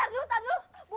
eh tar dulu tar dulu